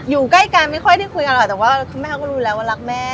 อยู่ใกล้กันไม่ค่อยได้คุยกันหรอกแต่ว่าคุณแม่เขาก็รู้แล้วว่ารักแม่